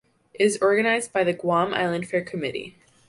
It is organized by the Guam Island Fair Committee.